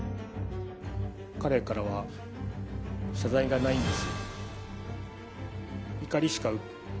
彼からは謝罪がないんです。